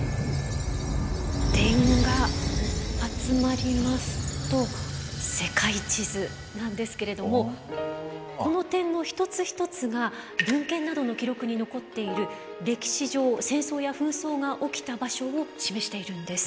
点が集まりますと世界地図なんですけれどもこの点の一つ一つが文献などの記録に残っている歴史上戦争や紛争が起きた場所を示しているんです。